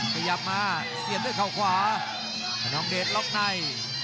พยายามมาเสียดด้วยเขาขวาคนนองเดชน์ล็อกใน